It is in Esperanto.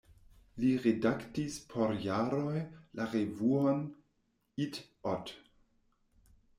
Li redaktis por jaroj la revuon "Itt-Ott".